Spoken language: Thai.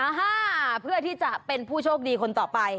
ห้าเพื่อที่จะเป็นผู้โชคดีคนต่อไป